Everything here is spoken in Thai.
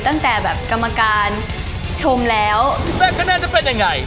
ตั้งแต่แบบกรรมการชมแล้วแซ่บก็น่าจะเป็นยังไง